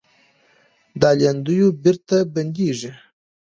دا لیندیو بېرته بندېږي.